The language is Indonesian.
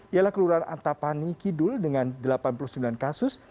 ialah kelurahan antapani kidul dengan delapan puluh sembilan kasus